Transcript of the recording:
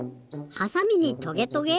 はさみにトゲトゲ？